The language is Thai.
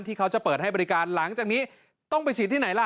เขาจะเปิดให้บริการหลังจากนี้ต้องไปฉีดที่ไหนล่ะ